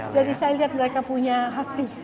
jadi saya lihat mereka punya hati